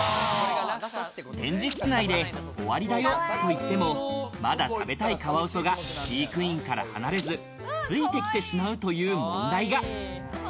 展示室内で終わりだよと言ってもまだ食べたいカワウソが飼育員から離れず、ついてきてしまうという問題が。